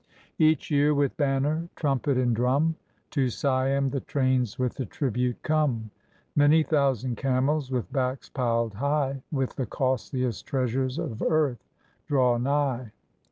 Each year, with banner, trumpet, and drxim, To Siam the trains with the tribute come; Many thousand camels, with backs piled high With the costliest treasures of earth, draw nigh.